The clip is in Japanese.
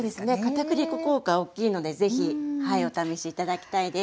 片栗粉効果おっきいのでぜひお試し頂きたいです。